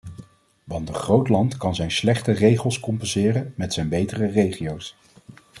Want een groot land kan zijn slechte regels compenseren met zijn betere regio's.